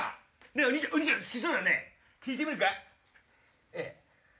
お兄ちゃん好きそうだね引いてみるか？